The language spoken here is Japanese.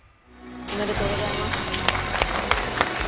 おめでとうございます。